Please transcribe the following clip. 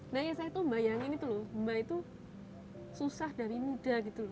nanya saya tuh bayangin itu loh mbak itu susah dari muda gitu loh